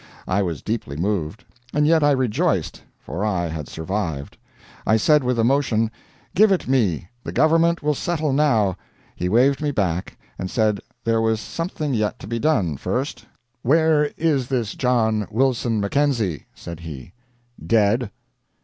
I was deeply moved. And yet I rejoiced for I had survived. I said with emotion, "Give it me. The government will settle now." He waved me back, and said there was something yet to be done first. "Where is this John Wilson Mackenzie?" said he. "Dead."